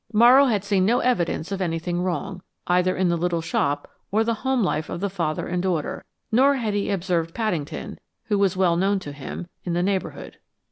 Morrow had seen no evidence of anything wrong, either in the little shop or the home life of the father and daughter; nor had he observed Paddington who was well known to him in the neighborhood.